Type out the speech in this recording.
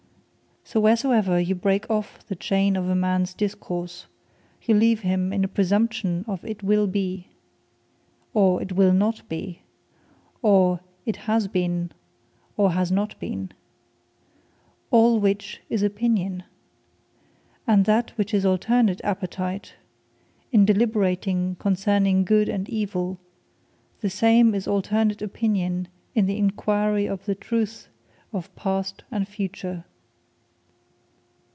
So that wheresoever you break off the chayn of a mans Discourse, you leave him in a Praesumption of It Will Be, or, It Will Not Be; or it Has Been, or, Has Not Been. All which is Opinion. And that which is alternate Appetite, in Deliberating concerning Good and Evil, the same is alternate Opinion in the Enquiry of the truth of Past, and Future.